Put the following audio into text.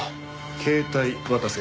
携帯渡せ。